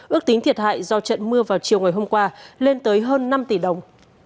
ước tính thiệt hại do trận mưa vào chiều ngày hôm qua lên tới hơn năm tỷ đồng